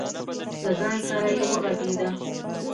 له ځان سره یې وغږېده.